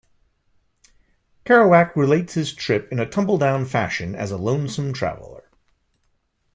Kerouac relates his trip in a tumbledown fashion as a lonesome traveler.